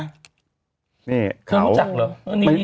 เขารู้จักเหรอ